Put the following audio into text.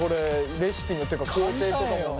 レシピっていうか工程とかもね。